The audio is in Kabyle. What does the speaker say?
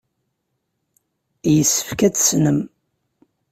Yessefk ad tt-tessnem.